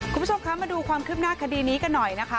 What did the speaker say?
คุณผู้ชมคะมาดูความคืบหน้าคดีนี้กันหน่อยนะคะ